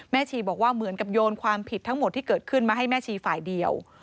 ชีบอกว่าเหมือนกับโยนความผิดทั้งหมดที่เกิดขึ้นมาให้แม่ชีฝ่ายเดียว